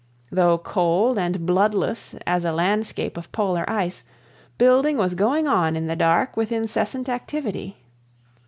Though cold and bloodless as a landscape of polar ice, building was going on in the dark with incessant activity.